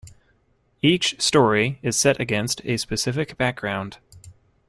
Each story is set against a specific background.